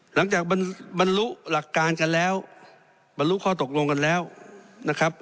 บรรลุหลักการกันแล้วบรรลุข้อตกลงกันแล้วนะครับ